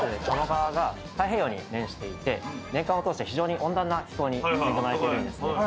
鴨川が太平洋に面していて年間を通して非常に温暖な気候に恵まれているんですね。